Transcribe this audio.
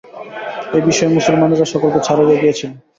এই বিষয়ে মুসলমানেরা সকলকে ছাড়াইয়া গিয়াছিল।